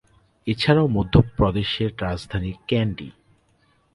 এছাড়াও মধ্যপ্রদেশের রাজধানী ক্যান্ডি।